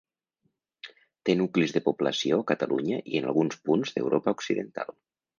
Té nuclis de població a Catalunya i en alguns punts d'Europa occidental.